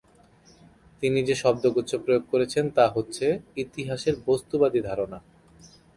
তিনি যে শব্দগুচ্ছ প্রয়োগ করেছেন তা হচ্ছে "ইতিহাসের বস্তুবাদী ধারণা"।